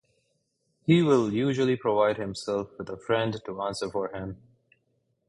He will usually provide himself with a friend to answer for him.